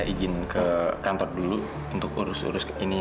bu saya ingin ke kantor dulu untuk urus urus ini